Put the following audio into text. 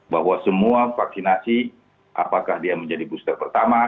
bahwa semua vaksinasi apakah dia menjadi booster pertama